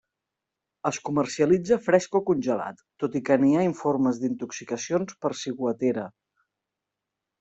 Es comercialitza fresc o congelat, tot i que n'hi ha informes d'intoxicacions per ciguatera.